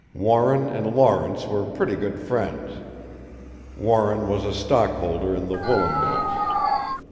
"Warren and Lawrence were pretty good friends. Warren was a stockholder in the woolen mills.